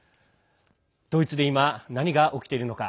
ドイツで今、何が起きているのか。